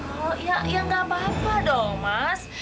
oh ya gak apa apa dong mas